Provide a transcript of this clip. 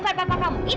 terima kasih mila